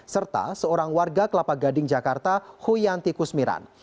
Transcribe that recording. serta seorang warga kelapa gading jakarta huyanti kusmiran